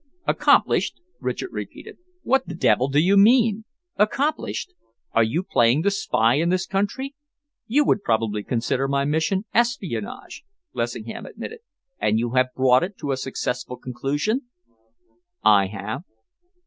"Accomplished?" Richard repeated. "What the devil do you mean? Accomplished? Are you playing the spy in this country?" "You would probably consider my mission espionage," Lessingham admitted. "And you have brought it to a successful conclusion?" "I have."